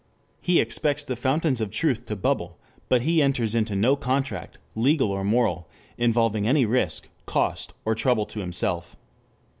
He expects the fountains of truth to bubble, but he enters into no contract, legal or moral, involving any risk, cost or trouble to himself.